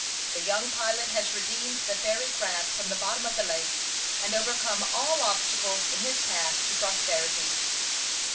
The young pilot has redeemed the fairy craft from the bottom of the lake, and overcome all obstacles in his path to prosperity.